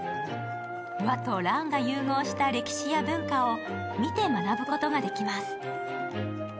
和と蘭が融合した歴史や文化を見て学ぶことができます。